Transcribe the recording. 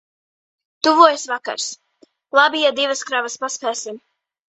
Tuvojas vakars. Labi, ja divas kravas paspēsim.